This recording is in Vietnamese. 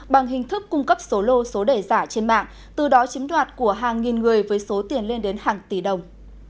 bằng hình thức cung cấp số lô số đề giả trên mạng từ đó chiếm đoạt của hàng nghìn người với số tiền lên đến hàng tỷ đồng